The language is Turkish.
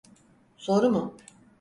Soru mu?